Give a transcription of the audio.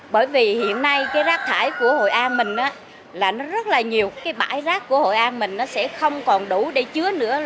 bởi vì hiện nay rác thải của hội an rất nhiều bãi rác của hội an sẽ không còn đủ để chứa nữa